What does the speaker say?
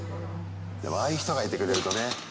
でも、ああいう人がいてくれるとね。